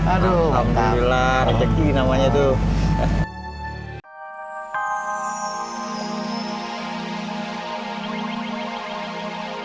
aduh alhamdulillah namanya tuh